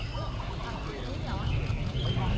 ขอบคุณมากขอบคุณค่ะ